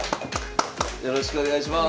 よろしくお願いします。